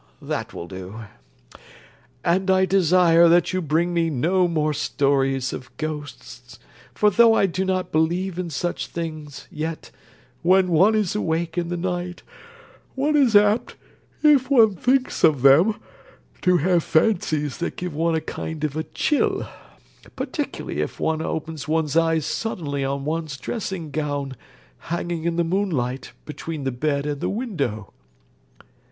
That will do. And I desire that you bring me no more stories of ghosts; for, though I do not believe in such things, yet, when one is awake in the night, one is apt, if one thinks of them, to have fancies that give one a kind of a chill, particularly if one opens one's eyes suddenly on one's dressing gown, hanging in the moonlight, between the bed and the window.'